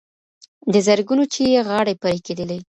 د زرګونو چي یې غاړي پرې کېدلې